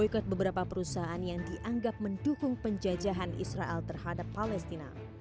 salah satunya memboykot perusahaan teknologi israel yang berkontribusi kepada politik perusahaan israel terhadap palestina